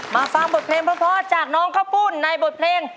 มาฟังบทเพลงพ่อจากน้องขปุ่นในบทเพลง